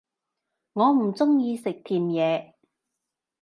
我唔鍾意食甜野